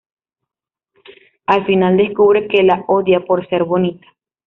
Al final descubre que la odia por ser bonita.